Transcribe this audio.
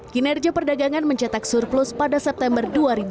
kinerja perdagangan mencetak surplus pada september dua ribu dua puluh